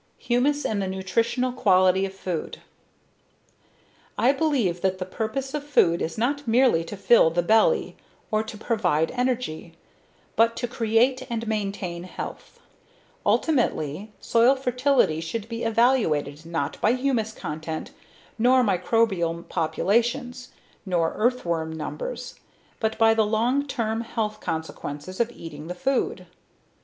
Humus and the Nutritional Quality of Food I believe that the purpose of food is not merely to fill the belly or to provide energy, but to create and maintain health. Ultimately, soil fertility should be evaluated not by humus content, nor microbial populations, nor earthworm numbers, but by the long term health consequences of eating the food.